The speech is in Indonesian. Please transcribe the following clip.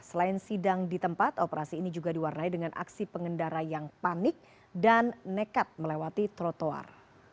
selain sidang di tempat operasi ini juga diwarnai dengan aksi pengendara yang panik dan nekat melewati trotoar